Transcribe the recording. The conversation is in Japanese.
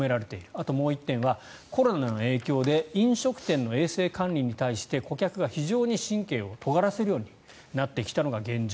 あともう一点はコロナの影響で飲食店の衛生管理に対して顧客が非常に神経をとがらせるようになってきたのが現状。